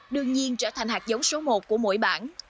đương nhiên trở thành hạt giống số một của mỗi bản